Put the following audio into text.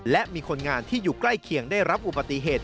และมีคนงานที่อยู่ใกล้เคียงได้รับอุบัติเหตุ